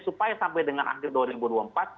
supaya sampai dengan akhir dua ribu dua puluh empat